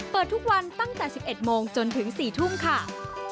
เปิดทุกวันตั้งแต่๑๑โมงจนถึง๔ทุ่มค่ะ